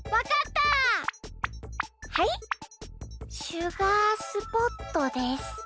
シュガースポットです。